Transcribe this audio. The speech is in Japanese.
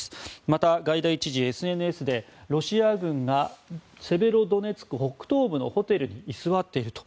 また、ガイダイ知事はＳＮＳでロシア軍がセベロドネツク北東部のホテルに居座っていると。